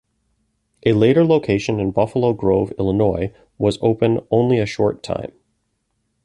A later location in Buffalo Grove, Illinois, was open only a short time.